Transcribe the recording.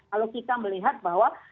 kalau kita melihat bahwa